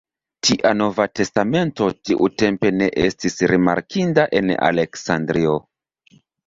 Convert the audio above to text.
Tia Nova Testamento tiutempe ne estis rimarkinda en Aleksandrio.